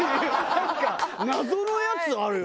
なんか謎のやつあるよ。